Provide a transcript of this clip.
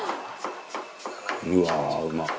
「うわーうまっ！」